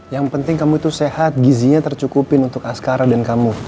yang penting kamu itu sehat gizinya tercukupin untuk askara dan kamu